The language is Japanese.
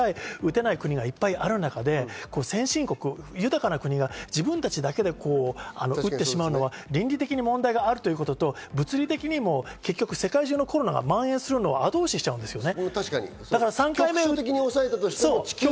医療従事者でさえ打てない国がいっぱいある中で、先進国、豊な国のほうが自分たちだけで打ってしまうのは倫理的に問題があるということと、物理的にも世界中のコロナが蔓延するのを後押ししちゃうんですね。